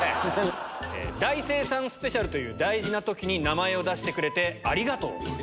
大精算スペシャルという大事なときに、名前を出してくれてありがとう。